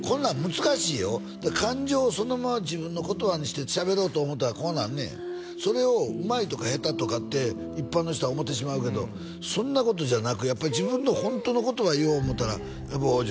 難しいよ感情をそのまま自分の言葉にしてしゃべろうと思ったらこうなんねんそれをうまいとか下手とかって一般の人は思ってしまうけどそんなことじゃなくやっぱり自分のホントの言葉言おう思ったらやっぱ央士